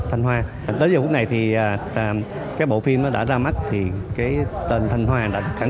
hoa hay mang một đôi giày rất là cao